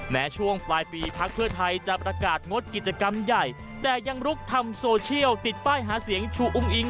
แม้ช่วงปลายปีพักเพื่อไทยจะประกาศงดกิจกรรมใหญ่แต่ยังลุกทำโซเชียลติดป้ายหาเสียงชูอุ้งอิง